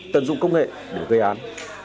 tận dụng công nghệ để gây án